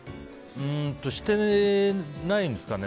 してないんですかね。